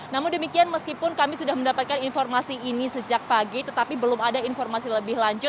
namun demikian meskipun kami sudah mendapatkan informasi ini sejak pagi tetapi belum ada informasi lebih lanjut